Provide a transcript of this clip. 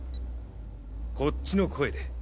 こっちの声で。